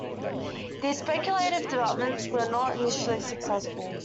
These speculative developments were not initially successful.